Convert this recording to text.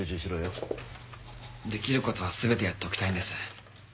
できることは全てやっておきたいんです。